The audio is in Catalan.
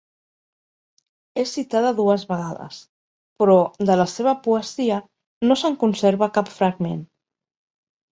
És citada dues vegades, però, de la seva poesia, no se'n conserva cap fragment.